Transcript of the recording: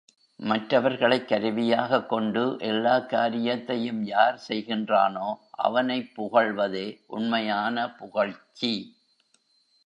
மற்றவர்களைக் கருவியாகக் கொண்டு எல்லாக் காரியத்தையும் யார் செய்கின்றானோ அவனைப் புகழ்வதே உண்மையான புகழ்ச்சி.